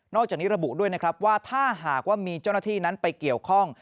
จากนี้ระบุด้วยนะครับว่าถ้าหากว่ามีเจ้าหน้าที่นั้นไปเกี่ยวข้อง